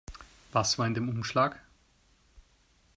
Was war in dem Umschlag?